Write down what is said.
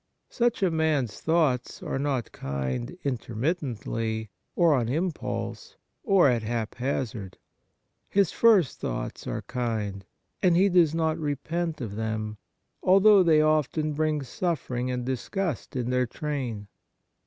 Such a man's thoughts are not kind intermittingly, or on impulse, or at haphazard. His first thoughts are kind, and he does not repent of them, although they often bring suffer ing and disgust in their train.